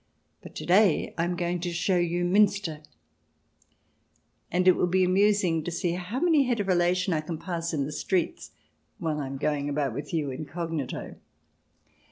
But to day I am going to show you Miinster, and it will be amusing to see how many head of relation I can pass in the streets while I am going about with you incognito.